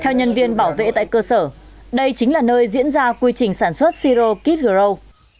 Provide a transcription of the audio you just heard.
theo nhân viên bảo vệ tại cơ sở đây chính là nơi diễn ra quy trình sản xuất siro kit grow